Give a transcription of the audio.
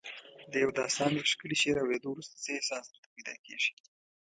د یو داستان یا ښکلي شعر اوریدو وروسته څه احساس درته پیدا کیږي؟